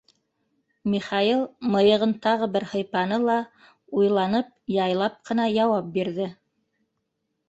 Михаил мыйығын тағы бер һыйпаны ла, уйланып, яйлап ҡына яуап бирҙе: